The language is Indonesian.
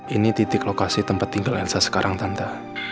ini titik lokasi tempat tinggal elsa sekarang tanda